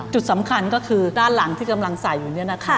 จุดสำคัญก็คือด้านหลังที่กำลังใส่อยู่